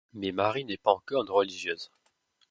Mais Marie n'est pas encore une religieuse.